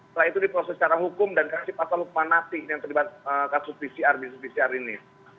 setelah itu diproses secara hukum dan kasih patah hukuman nanti yang terlibat kasus pcr di pcr ini